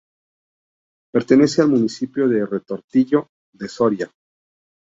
Pertenece al municipio de Retortillo de Soria.